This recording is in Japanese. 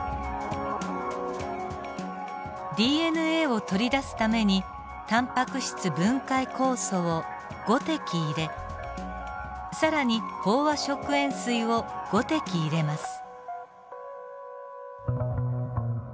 ＤＮＡを取り出すためにタンパク質分解酵素を５滴入れ更に飽和食塩水を５滴入れます。